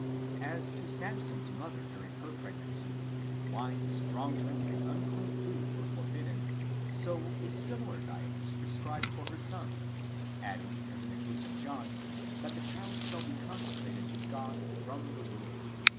As, to Samson's mother during her pregnancy, wine, strong drink, and unclean food, were forbidden, so a similar diet is prescribed for her son,' adding, as in the case of John, that the child shall be consecrated to God from the womb.